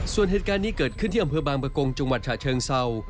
ส่วนเหตุการณ์นี้เกิดขึ้นที่อำเภอบางประกงจังหวัดฉะเชิงเศร้า